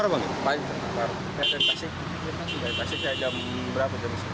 dari pasir dari pasir sampai jam berapa jam sepuluh tadi